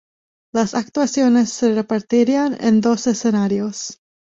Las actuaciones se repartirán en dos escenarios.